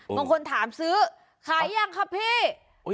บางคนถามซื้อขายยังครับพี่